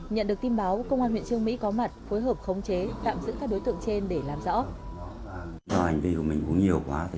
nhận được tin báo công an huyện trương mỹ có mặt phối hợp khống chế tạm giữ các đối tượng trên để làm rõ